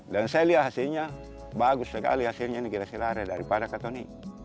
dan saya lihat hasilnya bagus sekali hasilnya ini gracilaria daripada kateni